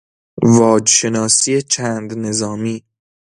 واجشناسی چند نظامی